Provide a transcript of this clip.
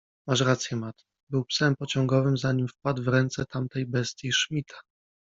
Masz rację, Matt. Był psem pociągowym, zanim wpadł w ręce tamtej bestii, Shmita.